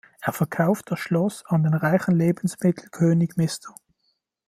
Er verkauft das Schloss an den reichen Lebensmittel-König Mr.